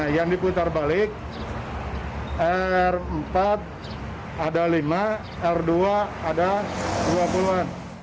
yang diputar balik r empat ada lima r dua ada dua puluh an